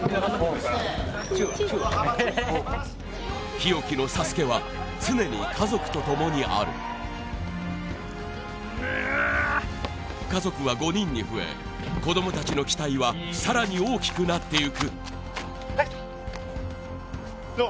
日置のＳＡＳＵＫＥは常に家族と共にある家族は５人に増え子供達の期待はさらに大きくなっていくどう？